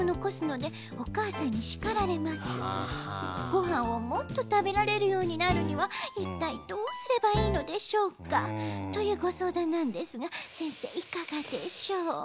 「ごはんをもっとたべられるようになるにはいったいどうすればいいのでしょうか」というごそうだんなんですがせんせいいかがでしょう。